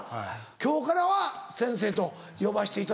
今日からは先生と呼ばせていただく。